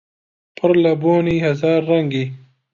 پڕ لە بۆنی هەزار ڕەنگی